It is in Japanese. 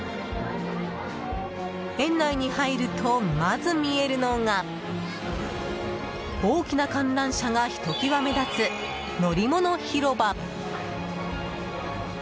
園内に入るとまず見えるのが大きな観覧車が一際目立つのりもの広場。